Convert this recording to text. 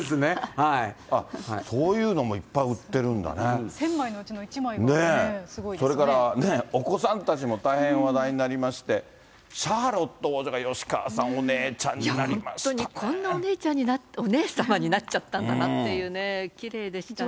そういうのもいっぱい売って１０００枚のうちの１枚ってそれからお子さんたちも大変話題になりまして、シャーロット王女が吉川さん、本当に、こんなお姉さまになっちゃったんだなっていうね、きれいでしたね。